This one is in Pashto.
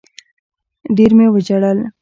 ډېر مي وژړل